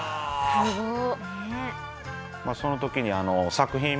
すごっ。